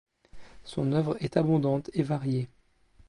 Son œuvre est abondante et variée.